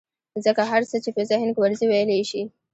ځکه هر څه چې په ذهن کې ورځي ويلى يې شي.